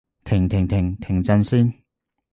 停停停！停陣先